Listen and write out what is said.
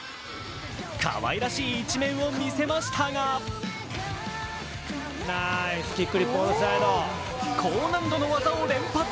かわいらしい一面をみせましたが高難度の技を連発。